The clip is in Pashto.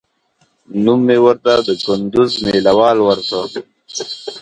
نوم مې ورته د کندوز مېله وال ورکړ.